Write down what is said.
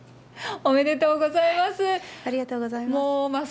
おめでとうございます。